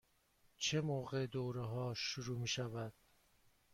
چه موقع دوره ها شروع می شود؟